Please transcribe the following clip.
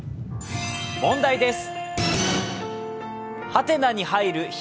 問題です。